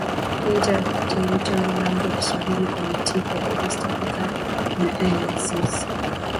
Inter territorial Language Swahili committee for the East African Dependencies